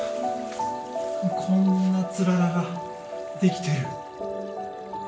こんな氷柱ができてる。